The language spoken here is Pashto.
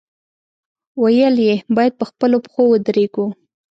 ویل یې، باید په خپلو پښو ودرېږو.